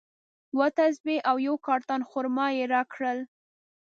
یوه تسبیج او یو کارټن خرما یې راکړل.